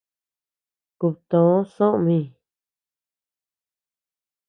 Kub too soʼö mi.